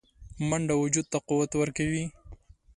منډه وجود ته قوت ورکوي